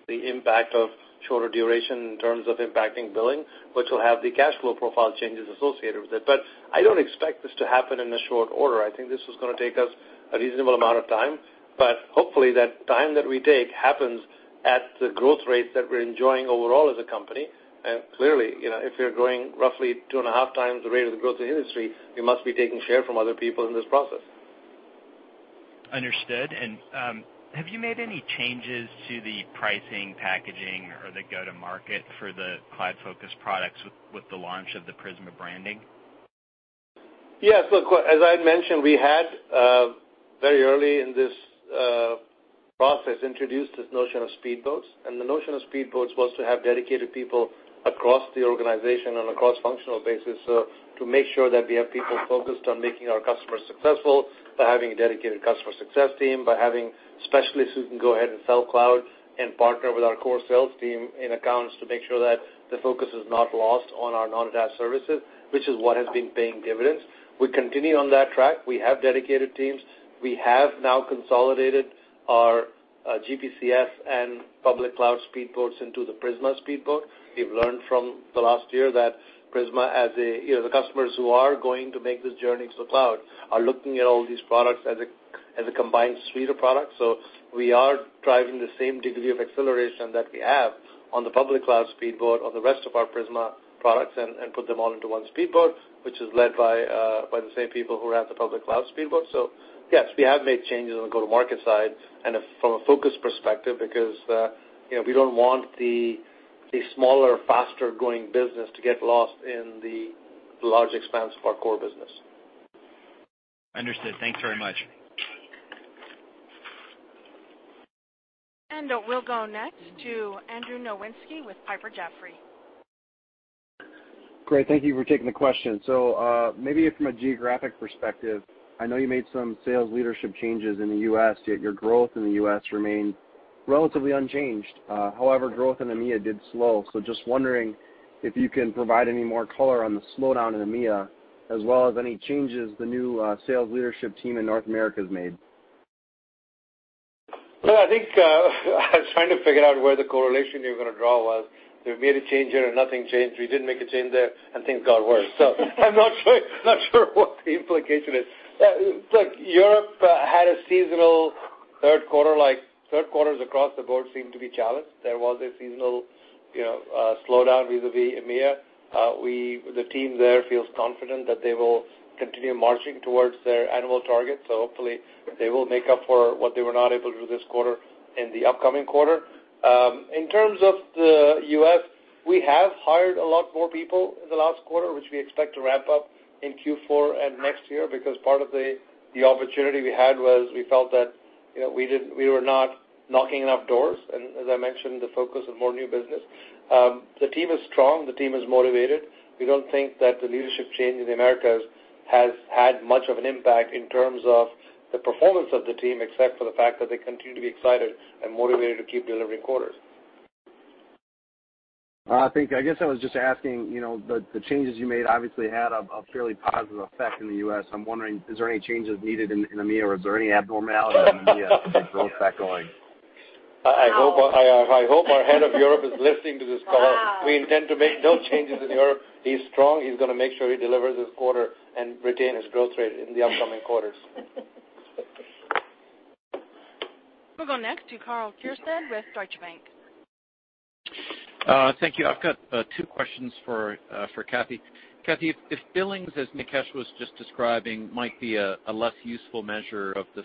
impact of shorter duration in terms of impacting billing, which will have the cash flow profile changes associated with it. I don't expect this to happen in a short order. I think this is going to take us a reasonable amount of time, hopefully that time that we take happens at the growth rates that we're enjoying overall as a company. Clearly, if we're growing roughly two and a half times the rate of the growth of the industry, we must be taking share from other people in this process. Understood. Have you made any changes to the pricing, packaging, or the go-to-market for the cloud-focused products with the launch of the Prisma branding? Yes, look, as I mentioned, we had, very early in this process, introduced this notion of speed boats. The notion of speed boats was to have dedicated people across the organization on a cross-functional basis to make sure that we have people focused on making our customers successful by having a dedicated customer success team, by having specialists who can go ahead and sell cloud and partner with our core sales team in accounts to make sure that the focus is not lost on our non-attached services, which is what has been paying dividends. We continue on that track. We have dedicated teams. We have now consolidated our GPCS and public cloud speed boats into the Prisma speed boat. We've learned from the last year that Prisma, as the customers who are going to make this journey to the cloud, are looking at all these products as a combined suite of products. We are driving the same degree of acceleration that we have on the public cloud speed boat on the rest of our Prisma products and put them all into one speed boat, which is led by the same people who are at the public cloud speed boat. Yes, we have made changes on the go-to-market side and from a focus perspective, because we don't want the smaller, faster-growing business to get lost in the large expanse of our core business. Understood. Thanks very much. We'll go next to Andrew Nowinski with Piper Jaffray. Great. Thank you for taking the question. Maybe from a geographic perspective, I know you made some sales leadership changes in the U.S., yet your growth in the U.S. remained relatively unchanged. However, growth in EMEA did slow. Just wondering if you can provide any more color on the slowdown in EMEA, as well as any changes the new sales leadership team in North America has made. Well, I think I was trying to figure out where the correlation you were going to draw was. We made a change here and nothing changed. We didn't make a change there, and things got worse. I'm not sure what the implication is. Look, Europe had a seasonal third quarter, like third quarters across the board seem to be challenged. There was a seasonal slowdown vis-à-vis EMEA. The team there feels confident that they will continue marching towards their annual target. Hopefully, they will make up for what they were not able to do this quarter in the upcoming quarter. In terms of the U.S., we have hired a lot more people in the last quarter, which we expect to ramp up in Q4 and next year, because part of the opportunity we had was we felt that we were not knocking enough doors, and as I mentioned, the focus of more new business. The team is strong, the team is motivated. We don't think that the leadership change in the Americas has had much of an impact in terms of the performance of the team, except for the fact that they continue to be excited and motivated to keep delivering quarters. I guess I was just asking, the changes you made obviously had a fairly positive effect in the U.S. I'm wondering, is there any changes needed in EMEA, or is there any abnormality in EMEA with the growth factor going? I hope our head of Europe is listening to this call. We intend to make no changes in Europe. He's strong. He's going to make sure he delivers this quarter and retain his growth rate in the upcoming quarters. We'll go next to Karl Keirstead with Deutsche Bank. Thank you. I've got two questions for Kathy. Kathy, if billings, as Nikesh was just describing, might be a less useful measure of the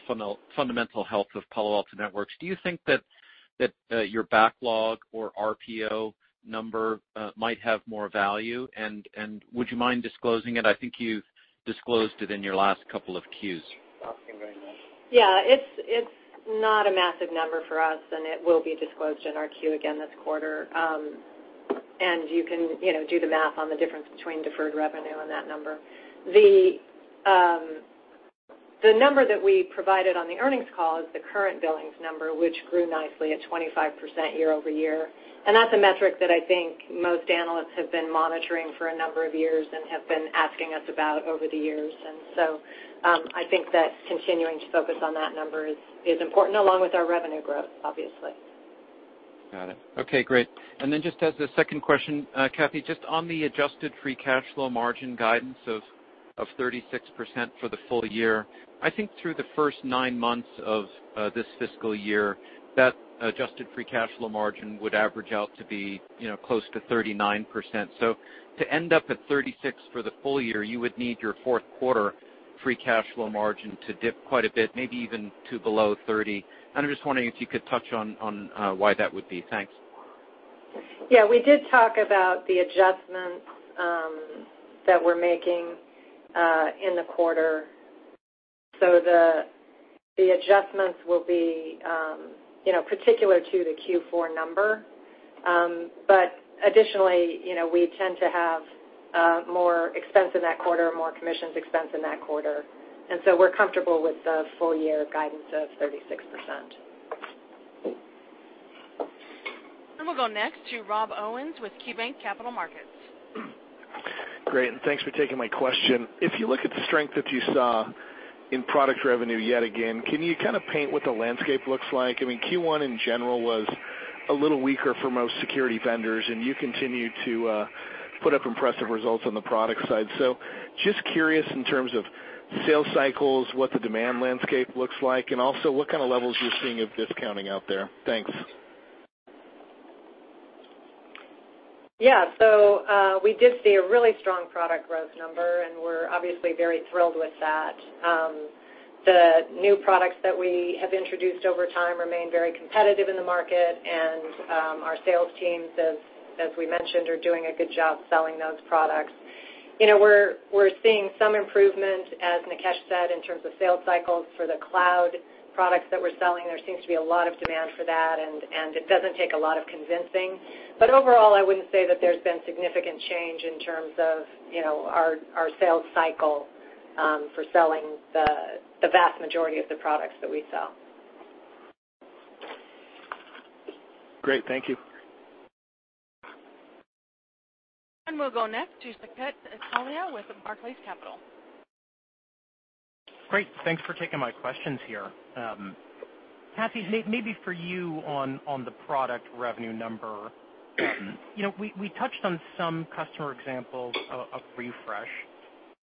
fundamental health of Palo Alto Networks, do you think that your backlog or RPO number might have more value, and would you mind disclosing it? I think you've disclosed it in your last couple of Qs. Asking right now. Yeah. It's not a massive number for us, and it will be disclosed in our Q again this quarter. You can do the math on the difference between deferred revenue and that number. The number that we provided on the earnings call is the current billings number, which grew nicely at 25% year-over-year. That's a metric that I think most analysts have been monitoring for a number of years and have been asking us about over the years. I think that continuing to focus on that number is important, along with our revenue growth, obviously. Got it. Okay, great. Just as the second question, Kathy, just on the adjusted free cash flow margin guidance of 36% for the full year. I think through the first nine months of this fiscal year, that adjusted free cash flow margin would average out to be close to 39%. To end up at 36% for the full year, you would need your fourth quarter free cash flow margin to dip quite a bit, maybe even to below 30%. I'm just wondering if you could touch on why that would be. Thanks. Yeah, we did talk about the adjustments that we're making in the quarter. The adjustments will be particular to the Q4 number. Additionally, we tend to have more expense in that quarter, more commissions expense in that quarter. We're comfortable with the full year guidance of 36%. We'll go next to Rob Owens with KeyBanc Capital Markets. Great, thanks for taking my question. If you look at the strength that you saw in product revenue yet again, can you kind of paint what the landscape looks like? I mean, Q1, in general, was a little weaker for most security vendors, and you continue to put up impressive results on the product side. Just curious in terms of sales cycles, what the demand landscape looks like, and also what kind of levels you're seeing of discounting out there. Thanks. Yeah. We did see a really strong product growth number, and we're obviously very thrilled with that. The new products that we have introduced over time remain very competitive in the market, and our sales teams, as we mentioned, are doing a good job selling those products. We're seeing some improvement, as Nikesh said, in terms of sales cycles for the cloud products that we're selling. There seems to be a lot of demand for that, and it doesn't take a lot of convincing. Overall, I wouldn't say that there's been significant change in terms of our sales cycle for selling the vast majority of the products that we sell. Great. Thank you. We'll go next to Saket Kalia with Barclays Capital. Great. Thanks for taking my questions here. Kathy, maybe for you on the product revenue number. We touched on some customer examples of refresh.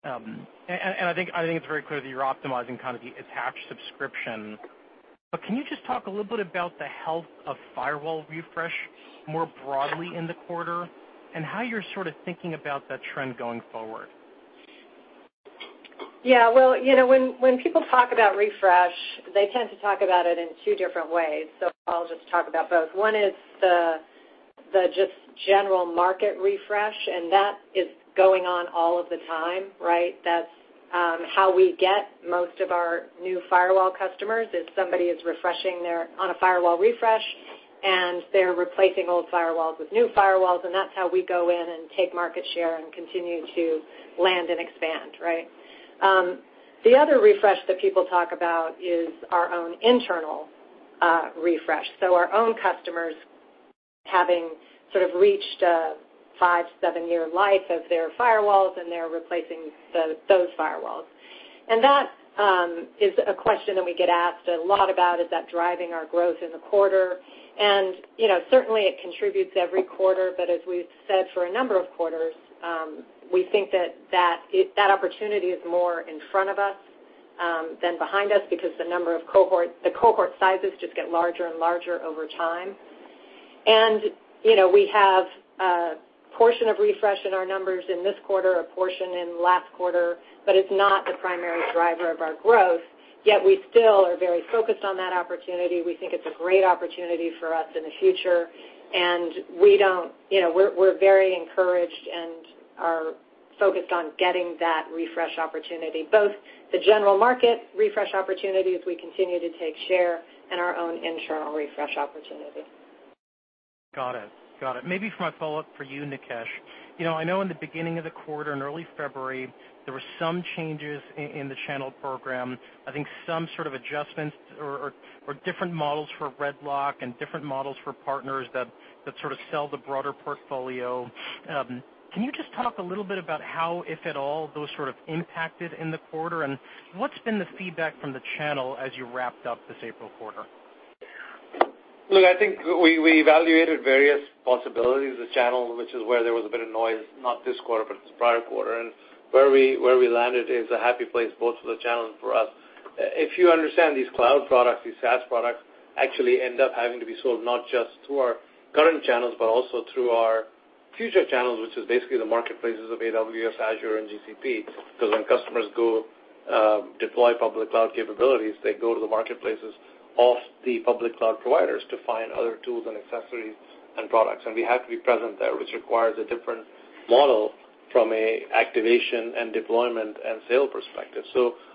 I think it's very clear that you're optimizing the attached subscription. Can you just talk a little bit about the health of firewall refresh more broadly in the quarter, and how you're sort of thinking about that trend going forward? Yeah. When people talk about refresh, they tend to talk about it in two different ways. I'll just talk about both. One is the just general market refresh, and that is going on all of the time, right? That's how we get most of our new firewall customers is somebody is on a firewall refresh, and they're replacing old firewalls with new firewalls, and that's how we go in and take market share and continue to land and expand. The other refresh that people talk about is our own internal refresh. Our own customers having sort of reached a five, seven-year life of their firewalls, and they're replacing those firewalls. That is a question that we get asked a lot about, is that driving our growth in the quarter. Certainly it contributes every quarter, but as we've said for a number of quarters, we think that opportunity is more in front of us than behind us because the cohort sizes just get larger and larger over time. We have a portion of refresh in our numbers in this quarter, a portion in last quarter, but it's not the primary driver of our growth, yet we still are very focused on that opportunity. We think it's a great opportunity for us in the future, and we're very encouraged and are focused on getting that refresh opportunity, both the general market refresh opportunities we continue to take share and our own internal refresh opportunity. Got it. Maybe for my follow-up for you, Nikesh. I know in the beginning of the quarter, in early February, there were some changes in the channel program, I think some sort of adjustments or different models for RedLock and different models for partners that sort of sell the broader portfolio. Can you just talk a little bit about how, if at all, those sort of impacted in the quarter, and what's been the feedback from the channel as you wrapped up this April quarter? I think we evaluated various possibilities, the channel, which is where there was a bit of noise, not this quarter, but this prior quarter, and where we landed is a happy place both for the channel and for us. If you understand these cloud products, these SaaS products actually end up having to be sold not just through our current channels, but also through our future channels, which is basically the marketplaces of AWS, Azure, and GCP. When customers go deploy public cloud capabilities, they go to the marketplaces of the public cloud providers to find other tools and accessories and products. We have to be present there, which requires a different model from a activation and deployment and sale perspective.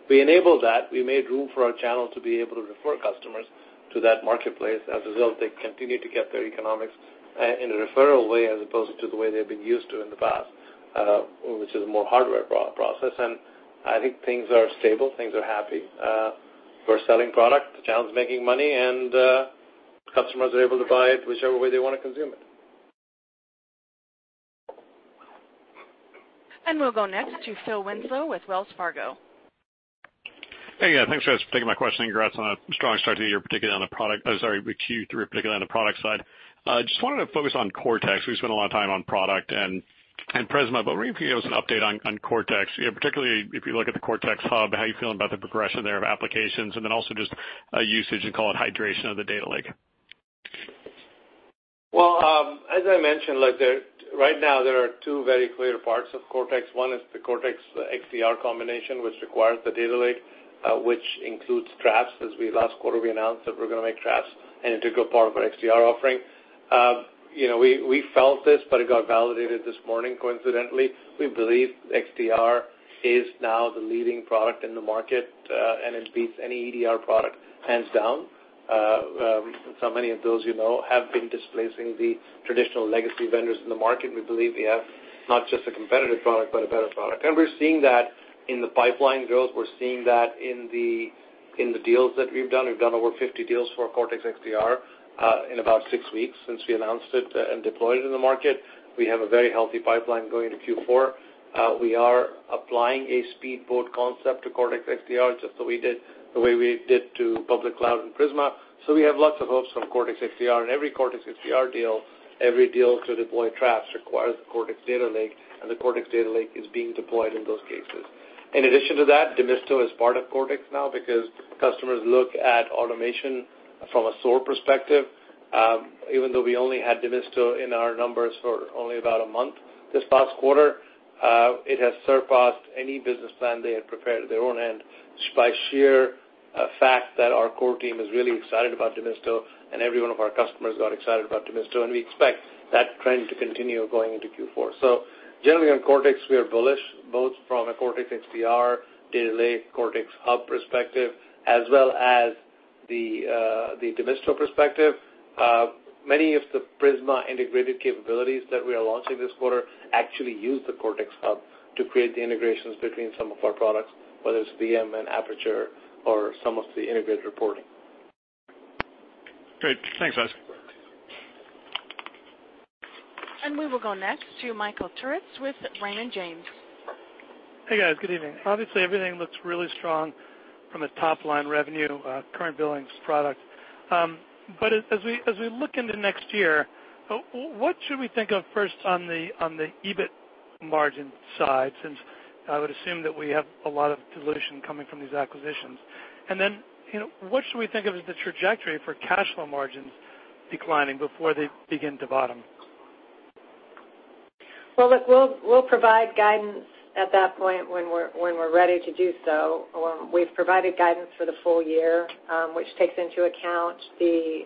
We enabled that. We made room for our channel to be able to refer customers to that marketplace. As a result, they continue to get their economics in a referral way as opposed to the way they've been used to in the past, which is a more hardware process. I think things are stable, things are happy. We're selling product, the channel's making money, and customers are able to buy it whichever way they want to consume it. We'll go next to Philip Winslow with Wells Fargo. Hey. Yeah, thanks for taking my question, and congrats on a strong start to the year, particularly on Q3, particularly on the product side. Just wanted to focus on Cortex. We spent a lot of time on product and Prisma, but maybe if you could give us an update on Cortex, particularly if you look at the Cortex Hub, how you're feeling about the progression there of applications, and then also just usage and call it hydration of the Cortex Data Lake. Well, as I mentioned, right now there are two very clear parts of Cortex. One is the Cortex XDR combination, which requires the Cortex Data Lake, which includes Traps. As we last quarter, we announced that we're going to make Traps an integral part of our XDR offering. We felt this, but it got validated this morning coincidentally. We believe XDR is now the leading product in the market, and it beats any EDR product hands down. Many of those you know have been displacing the traditional legacy vendors in the market. We believe we have not just a competitive product, but a better product. We're seeing that in the pipeline growth. We're seeing that in the deals that we've done. We've done over 50 deals for Cortex XDR in about six weeks since we announced it and deployed it in the market. We have a very healthy pipeline going into Q4. We are applying a speedboat concept to Cortex XDR, just the way we did to public cloud and Prisma. We have lots of hopes from Cortex XDR. Every Cortex XDR deal, every deal to deploy Traps requires Cortex Data Lake, and the Cortex Data Lake is being deployed in those cases. In addition to that, Demisto is part of Cortex now because customers look at automation from a SOAR perspective. Even though we only had Demisto in our numbers for only about a month this past quarter, it has surpassed any business plan they had prepared at their own end by sheer fact that our core team is really excited about Demisto, and every one of our customers got excited about Demisto, and we expect that trend to continue going into Q4. Generally on Cortex, we are bullish both from a Cortex XDR Data Lake, Cortex hub perspective, as well as the Demisto perspective. Many of the Prisma integrated capabilities that we are launching this quarter actually use the Cortex hub to create the integrations between some of our products, whether it's VM and Aperture or some of the integrated reporting. Great. Thanks, guys. We will go next to Michael Turits with Raymond James. Hey, guys. Good evening. Obviously, everything looks really strong from a top-line revenue, current billings product. As we look into next year, what should we think of first on the EBIT margin side, since I would assume that we have a lot of dilution coming from these acquisitions? Then, what should we think of as the trajectory for cash flow margins declining before they begin to bottom? Well, look, we'll provide guidance at that point when we're ready to do so. We've provided guidance for the full year, which takes into account the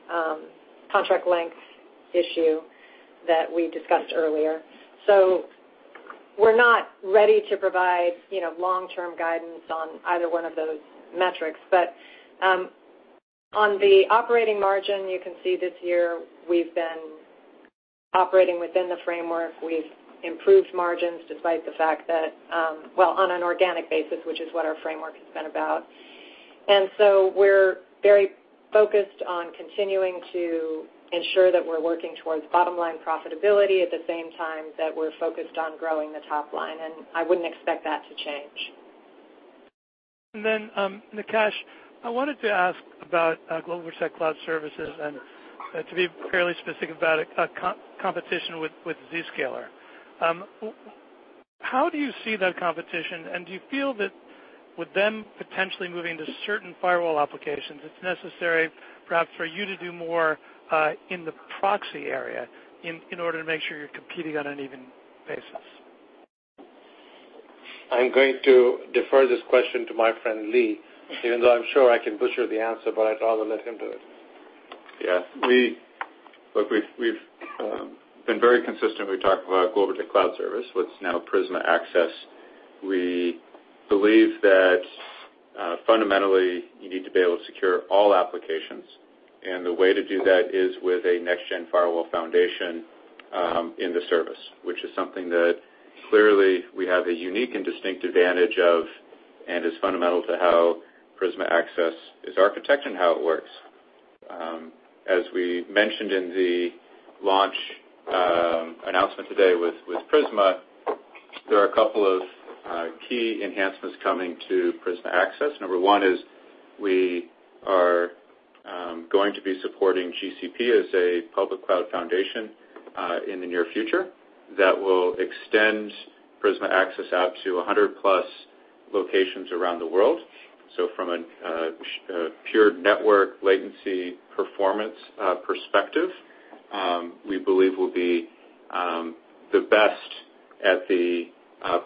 contract length issue that we discussed earlier. We're not ready to provide long-term guidance on either one of those metrics. On the operating margin, you can see this year we've been operating within the framework. We've improved margins despite the fact that, well, on an organic basis, which is what our framework has been about. We're very focused on continuing to ensure that we're working towards bottom-line profitability at the same time that we're focused on growing the top line, and I wouldn't expect that to change. Nikesh, I wanted to ask about GlobalProtect cloud service and to be fairly specific about it, competition with Zscaler. How do you see that competition, and do you feel that with them potentially moving to certain firewall applications, it's necessary perhaps for you to do more in the proxy area in order to make sure you're competing on an even basis? I'm going to defer this question to my friend Lee, even though I'm sure I can butcher the answer, but I'd rather let him do it. Look, we've been very consistent. We've talked about GlobalProtect cloud service, what's now Prisma Access. We believe that, fundamentally, you need to be able to secure all applications, and the way to do that is with a next-gen firewall foundation in the service, which is something that clearly we have a unique and distinct advantage of and is fundamental to how Prisma Access is architected and how it works. As we mentioned in the launch announcement today with Prisma, there are a couple of key enhancements coming to Prisma Access. Number one is we are going to be supporting GCP as a public cloud foundation in the near future that will extend Prisma Access out to 100-plus locations around the world. From a pure network latency performance perspective, we believe we'll be the best at the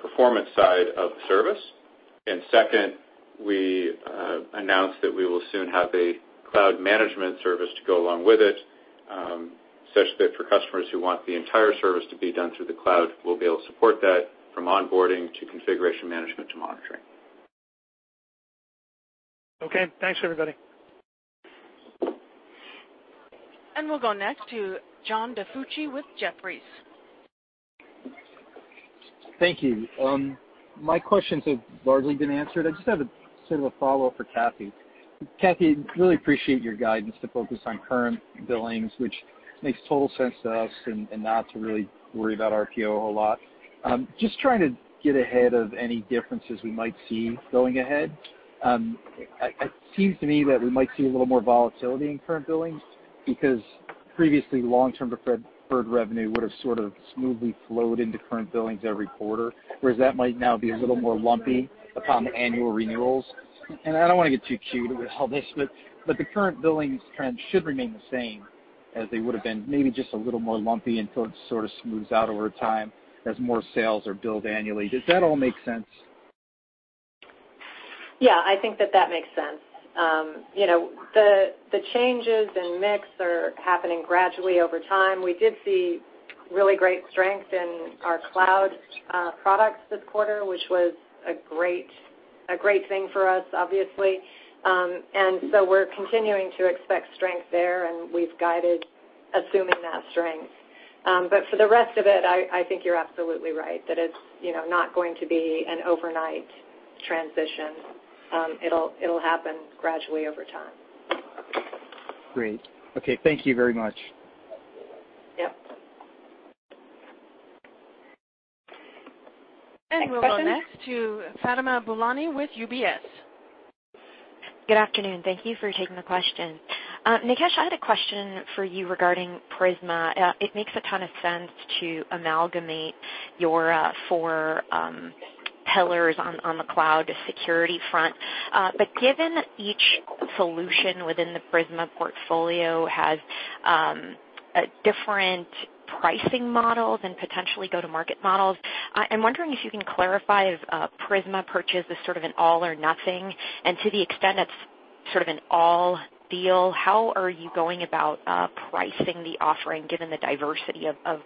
performance side of the service. Second, we announced that we will soon have a cloud management service to go along with it, such that for customers who want the entire service to be done through the cloud, we'll be able to support that from onboarding to configuration management to monitoring. Okay. Thanks, everybody. We'll go next to John DiFucci with Jefferies. Thank you. My questions have largely been answered. I just have a sort of a follow-up for Kathy. Kathy, really appreciate your guidance to focus on current billings, which makes total sense to us, and not to really worry about RPO a whole lot. Just trying to get ahead of any differences we might see going ahead. It seems to me that we might see a little more volatility in current billings because previously long-term deferred revenue would've sort of smoothly flowed into current billings every quarter, whereas that might now be a little more lumpy upon annual renewals. I don't want to get too queued with all this, but the current billings trends should remain the same as they would've been, maybe just a little more lumpy until it sort of smooths out over time as more sales are billed annually. Does that all make sense? I think that that makes sense. The changes in mix are happening gradually over time. We did see really great strength in our cloud products this quarter, which was a great thing for us, obviously. So we're continuing to expect strength there, and we've guided assuming that strength. For the rest of it, I think you're absolutely right that it's not going to be an overnight transition. It'll happen gradually over time. Great. Okay. Thank you very much. Yep. We'll go next to Fatima Boolani with UBS. Good afternoon. Thank you for taking the question. Nikesh, I had a question for you regarding Prisma. It makes a ton of sense to amalgamate your four pillars on the cloud security front. Given each solution within the Prisma portfolio has different pricing models and potentially go-to-market models, I'm wondering if you can clarify if a Prisma purchase is sort of an all or nothing, and to the extent that's sort of an all deal, how are you going about pricing the offering given the diversity of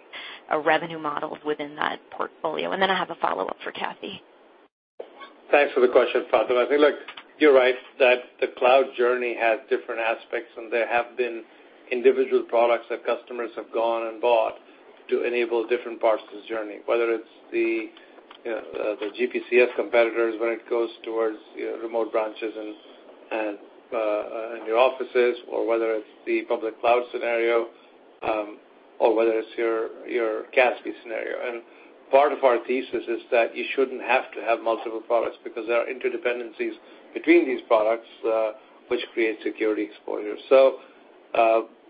revenue models within that portfolio? I have a follow-up for Kathy. Thanks for the question, Fatima. I think, look, you're right that the cloud journey has different aspects, and there have been individual products that customers have gone and bought to enable different parts of the journey, whether it's the GPCS competitors, when it goes towards remote branches and your offices, or whether it's the public cloud scenario, or whether it's your CASB scenario. Part of our thesis is that you shouldn't have to have multiple products because there are interdependencies between these products, which create security exposure.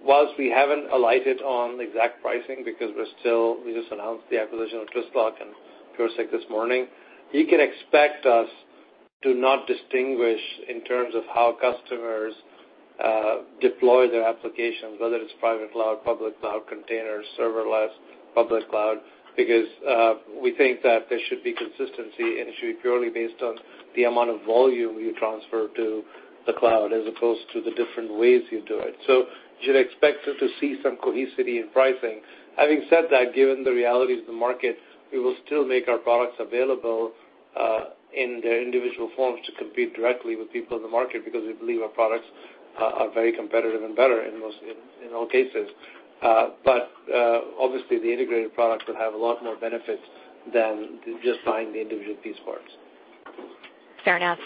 Whilst we haven't alighted on the exact pricing, because we just announced the acquisition of Twistlock and PureSec this morning, you can expect us to not distinguish in terms of how customers deploy their applications, whether it's private cloud, public cloud, containers, serverless, public cloud, because we think that there should be consistency, and it should be purely based on the amount of volume you transfer to the cloud as opposed to the different ways you do it. You should expect to see some cohesion in pricing. Having said that, given the realities of the market, we will still make our products available in their individual forms to compete directly with people in the market because we believe our products are very competitive and better in all cases. Obviously the integrated products will have a lot more benefits than just buying the individual piece parts. Fair enough.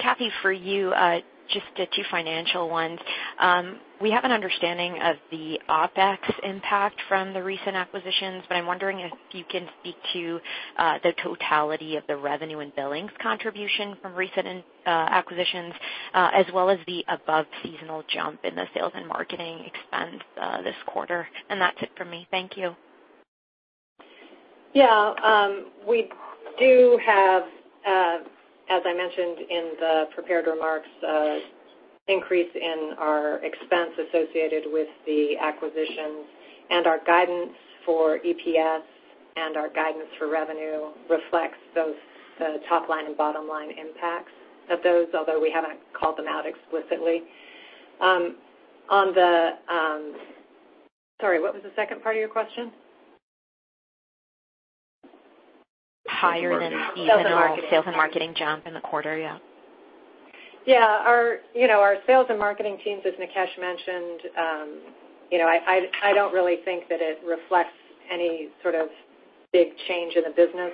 Kathy, for you, just two financial ones. We have an understanding of the OpEx impact from the recent acquisitions, but I'm wondering if you can speak to the totality of the revenue and billings contribution from recent acquisitions, as well as the above seasonal jump in the sales and marketing expense this quarter. That's it for me. Thank you. We do have, as I mentioned in the prepared remarks, increase in our expense associated with the acquisition and our guidance for EPS and our guidance for revenue reflects both the top-line and bottom-line impacts of those, although we haven't called them out explicitly. Sorry, what was the second part of your question? Higher than even- Sales and marketing. Sales and marketing jump in the quarter, yeah. Yeah. Our sales and marketing teams, as Nikesh mentioned, I don't really think that it reflects any sort of big change in the business.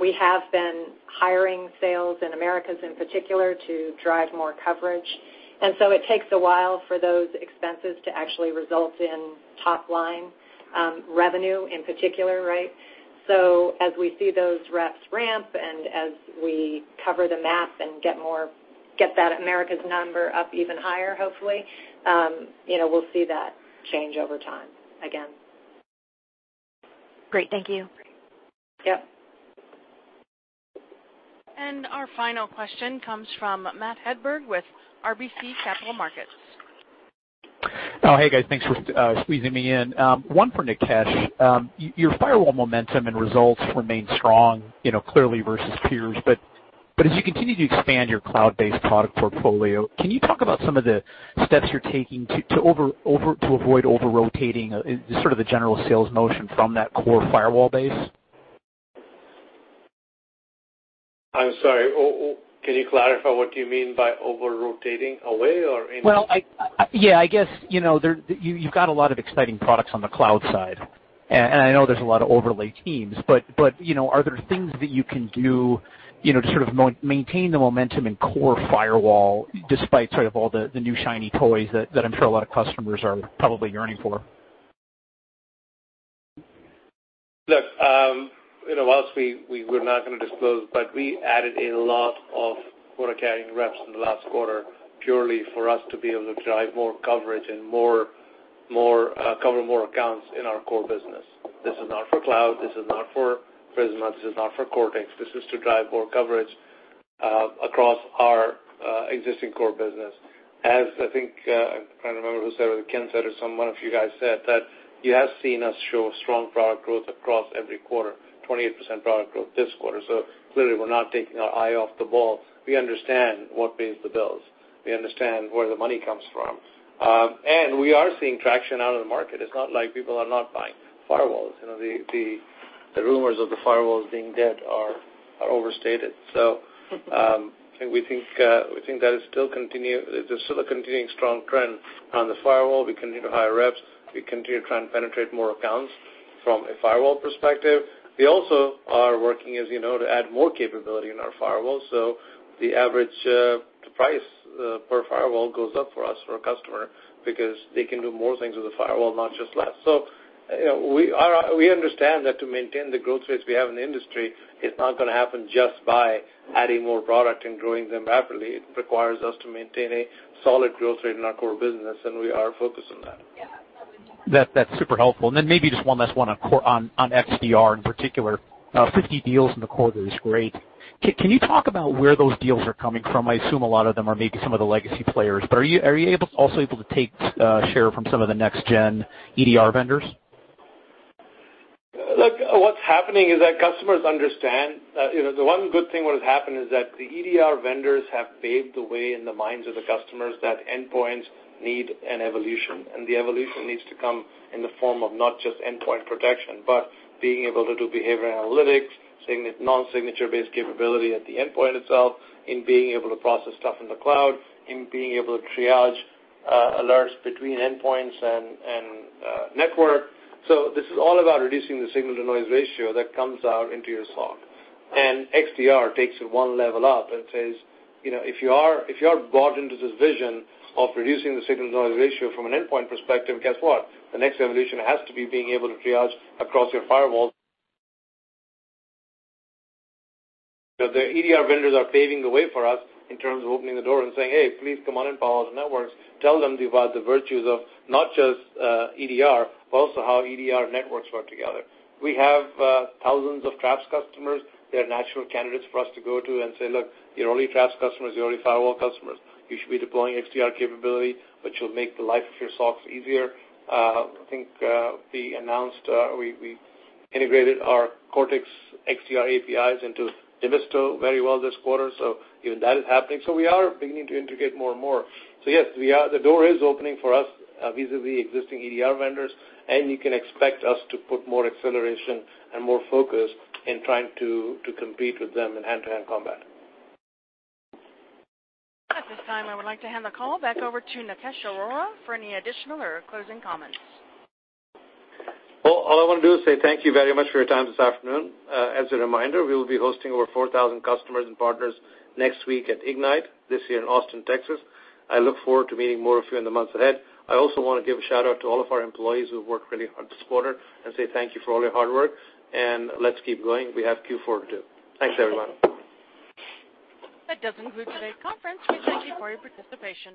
We have been hiring sales in Americas in particular to drive more coverage. It takes a while for those expenses to actually result in top-line revenue in particular, right? As we see those reps ramp and as we cover the map and get that Americas number up even higher, hopefully, we'll see that change over time again. Great. Thank you. Yep. Our final question comes from Matthew Hedberg with RBC Capital Markets. Hey guys, thanks for squeezing me in. One for Nikesh. Your firewall momentum and results remain strong, clearly versus peers, but as you continue to expand your cloud-based product portfolio, can you talk about some of the steps you're taking to avoid over-rotating, sort of the general sales motion from that core firewall base? I'm sorry, can you clarify what do you mean by over-rotating? Away or in? Well, yeah, I guess, you've got a lot of exciting products on the cloud side, I know there's a lot of overlay teams, are there things that you can do to sort of maintain the momentum in core firewall despite sort of all the new shiny toys that I'm sure a lot of customers are probably yearning for? Look, whilst we're not going to disclose, we added a lot of quota-carrying reps in the last quarter purely for us to be able to drive more coverage and cover more accounts in our core business. This is not for cloud, this is not for Prisma, this is not for Cortex. This is to drive more coverage across our existing core business. As I think, I'm trying to remember who said it, Ken said or one of you guys said, that you have seen us show strong product growth across every quarter, 28% product growth this quarter. Clearly we're not taking our eye off the ball. We understand what pays the bills. We understand where the money comes from. We are seeing traction out of the market. It's not like people are not buying firewalls. The rumors of the firewalls being dead are overstated. I think we think that it's still a continuing strong trend on the firewall. We continue to hire reps. We continue to try and penetrate more accounts from a firewall perspective. We also are working, as you know, to add more capability in our firewalls. The average price per firewall goes up for us or a customer because they can do more things with a firewall, not just less. We understand that to maintain the growth rates we have in the industry, it's not going to happen just by adding more product and growing them rapidly. It requires us to maintain a solid growth rate in our core business, we are focused on that. Yeah, absolutely. That's super helpful. Then maybe just one last one on XDR in particular. 50 deals in the quarter is great. Can you talk about where those deals are coming from? I assume a lot of them are maybe some of the legacy players, but are you also able to take share from some of the next-gen EDR vendors? Look, what's happening is that customers understand. The one good thing what has happened is that the EDR vendors have paved the way in the minds of the customers that endpoints need an evolution, and the evolution needs to come in the form of not just endpoint protection, but being able to do behavior analytics, non-signature based capability at the endpoint itself, in being able to process stuff in the cloud, in being able to triage alerts between endpoints and network. This is all about reducing the signal-to-noise ratio that comes out into your SOC. XDR takes it one level up and says, if you are bought into this vision of reducing the signal-to-noise ratio from an endpoint perspective, guess what? The next evolution has to be being able to triage across your firewall. The EDR vendors are paving the way for us in terms of opening the door and saying, "Hey, please come on in, Palo Alto Networks." Tell them about the virtues of not just EDR, but also how EDR networks work together. We have thousands of Traps customers. They're natural candidates for us to go to and say, "Look, you're already Traps customers, you're already firewall customers. You should be deploying XDR capability, which will make the life of your SOCs easier." I think we announced we integrated our Cortex XDR APIs into Demisto very well this quarter. Even that is happening. We are beginning to integrate more and more. Yes, the door is opening for us vis-a-vis existing EDR vendors, and you can expect us to put more acceleration and more focus in trying to compete with them in hand-to-hand combat. At this time, I would like to hand the call back over to Nikesh Arora for any additional or closing comments. Well, all I want to do is say thank you very much for your time this afternoon. As a reminder, we will be hosting over 4,000 customers and partners next week at Ignite, this year in Austin, Texas. I look forward to meeting more of you in the months ahead. I also want to give a shout-out to all of our employees who've worked really hard this quarter and say thank you for all your hard work, and let's keep going. We have Q4 to do. Thanks, everyone. That does conclude today's conference. We thank you for your participation.